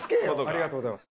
ありがとうございます。